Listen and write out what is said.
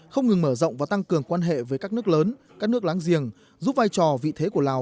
không ngừng mở rộng và tăng cường quan hệ với các nước lớn các nước láng giềng giúp vai trò vị thế của lào